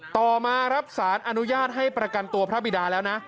ต่อมาครับสารอนุญาตให้ประกันตัวพระบิดาแล้วนะ